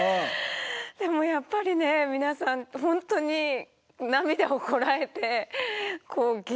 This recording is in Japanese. でもやっぱりね皆さん本当に涙をこらえて現実を受け入れてる。